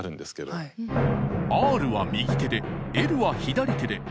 Ｒは右手でＬは左手で。